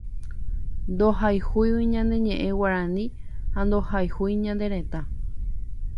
Ndohayhúi ñane ñeʼẽ Guarani ha ndohayhúi ñane retã.